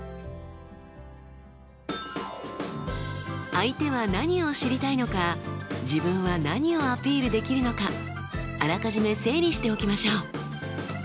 相手は何を知りたいのか自分は何をアピールできるのかあらかじめ整理しておきましょう。